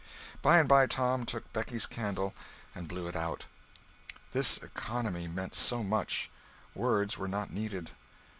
By and by Tom took Becky's candle and blew it out. This economy meant so much! Words were not needed.